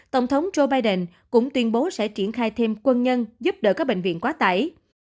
tổng thống joe biden cũng tuyên bố sẽ triển khai thêm quân nhân giúp đỡ các bệnh viện quá tải